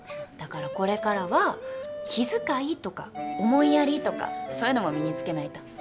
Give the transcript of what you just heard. だからこれからは気遣いとか思いやりとかそういうのも身につけないと。